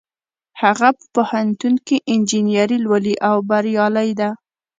هغه په پوهنتون کې انجینري لولي او بریالۍ ده